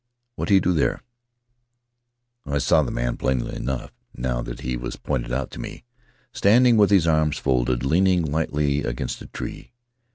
What he do there?' I saw the man plainly enough, now that he was pointed out to me, standing with his arms folded, lean ing lightly against a tree.